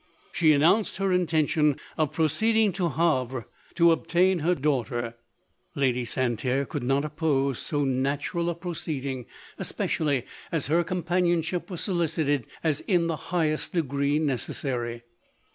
She announced her intention of proceeding to Havre to obtain her daughter. Lady Santerre could not oppose so natural a 200 lodoiw;. proceeding, especially as her companionship was solicited as in the highest degree necessary.